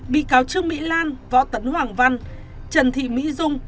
bị cáo trương mỹ lan võ tấn hoàng văn trần thị mỹ dung